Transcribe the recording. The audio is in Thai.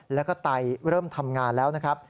แล้วก็ไตเริ่มทำงานแล้วนะครับ